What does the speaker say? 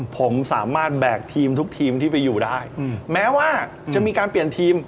ผมสามารถแบกทีมทุกทีมที่ไปอยู่ได้แม้ว่าจะมีการเปลี่ยนทีม